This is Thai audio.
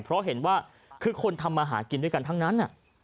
เพราะเห็นว่าคือคนทำมาหากินด้วยกันทั้งนั้น